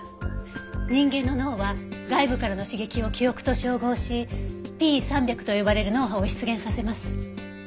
人間の脳は外部からの刺激を記憶と照合しＰ３００と呼ばれる脳波を出現させます。